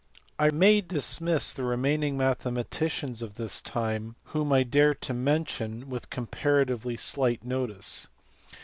I may dismiss the remaining mathematicians of this time whom I desire to mention with comparatively slight notice.